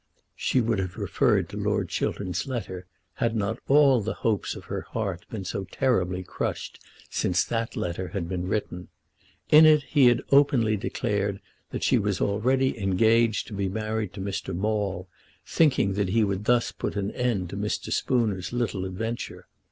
She would have referred to Lord Chiltern's letter had not all the hopes of her heart been so terribly crushed since that letter had been written. In it he had openly declared that she was already engaged to be married to Mr. Maule, thinking that he would thus put an end to Mr. Spooner's little adventure.